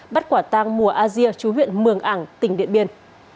bắt quả tang mùa asia chú huyện mường ảng tỉnh điện biên